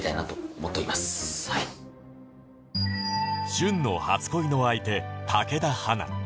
舜の初恋の相手武田花